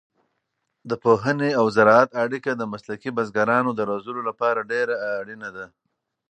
د پوهنې او زراعت اړیکه د مسلکي بزګرانو د روزلو لپاره ډېره اړینه ده.